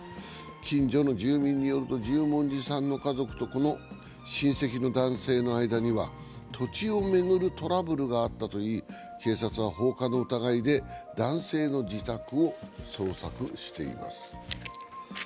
近所の住民によると十文字さんの家族とこの親戚の男性の間には土地を巡るトラブルがあったといい、警察は放火の疑いで男性の自宅を捜索しています。